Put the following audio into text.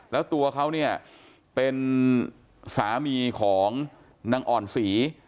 แล้วตัวเขาเนี่ยเป็นสามีของนางอ่อนศรี